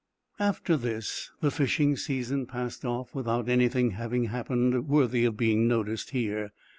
After this the fishing season passed off without anything having happened, worthy of being noticed here.